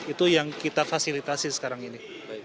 itu yang kita fasilitasi sekarang ini